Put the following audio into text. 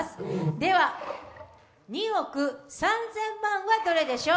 では、２億３０００万はどれでしょう？